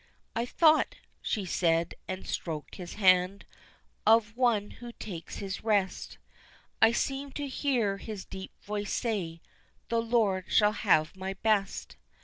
"I thought," she said, and stroked his hand, "of one who takes his rest, I seemed to hear his deep voice say: The Lord shall have my best."